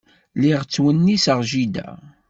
Lliɣ ttwenniseɣ jida.